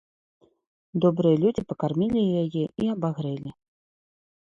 Добрыя людзі пакармілі яе і абагрэлі.